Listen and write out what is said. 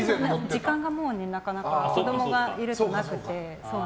時間がなかなか子供がいるとなくて。